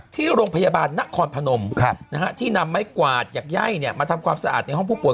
ที่โรงพยาบาลนครพนมที่นำไม้กวาดจากไย่มาทำความสะอาดในห้องผู้ป่ว